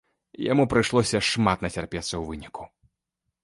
Яму прыйшлося шмат нацярпецца ў выніку.